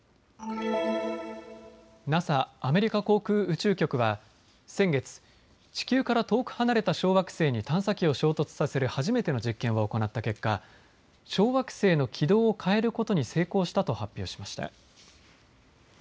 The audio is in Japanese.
ＮＡＳＡ・アメリカ航空宇宙局は先月、地球から遠く離れた小惑星に探査機を衝突させる初めての実験を行った結果、小惑星の軌道を変えることに成功したと発表しました。